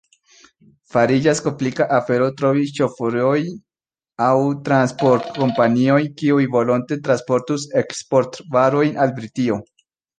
Fariĝas komplika afero trovi ŝoforojn aŭ transportkompaniojn, kiuj volonte transportus eksportvarojn al Britio.